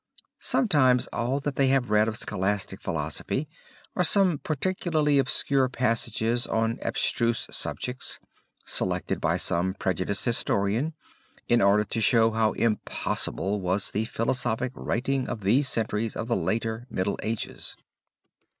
Sometimes all that they have read of scholastic philosophy are some particularly obscure passages on abstruse subjects, selected by some prejudiced historian, in order to show how impossible was the philosophic writing of these centuries of the later Middle Ages.